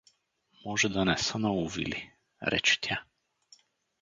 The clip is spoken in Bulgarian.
— Може да не са наловили — рече тя.